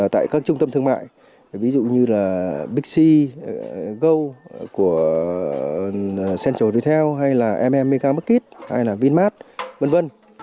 tại các trung tâm thương mại ví dụ như là big c go central retail mm mega market vinmart v v